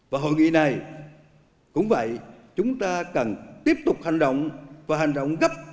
và hội nghị này cũng vậy chúng ta cần tiếp tục hành động và hành động gấp